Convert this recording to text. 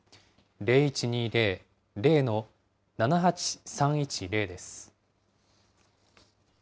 ０１２０ー０ー７８３１０です。